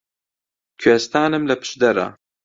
کوێستانم لە پشدەرە